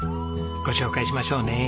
ご紹介しましょうね。